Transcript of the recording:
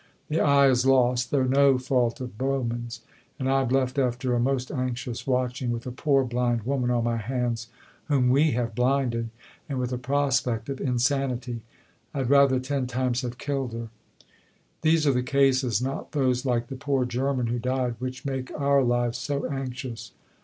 The eye is lost (through no fault of Bowman's), and I am left, after a most anxious watching, with a poor blind woman on my hands, whom we have blinded, and with a prospect of insanity. I had rather ten times have killed her. These are the cases, not those like the poor German who died, which make our lives so anxious."